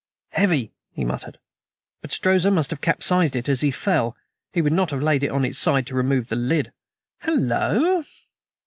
"Heavy," he muttered; "but Strozza must have capsized it as he fell. He would not have laid it on its side to remove the lid. Hallo!"